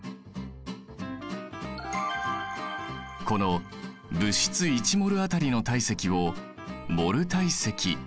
この物質１ｍｏｌあたりの体積をモル体積という。